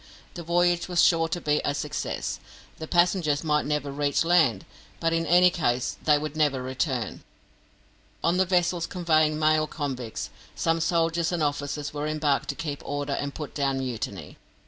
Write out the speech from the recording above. The voyage was sure to be a success; the passengers might never reach land, but in any case they would never return. On the vessels conveying male convicts, some soldiers and officers were embarked to keep order and put down mutiny.